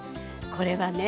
これはね